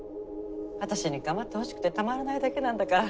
私にかまってほしくてたまらないだけなんだから。